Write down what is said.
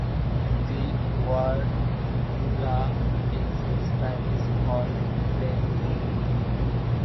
The word "grulla" is Spanish for crane.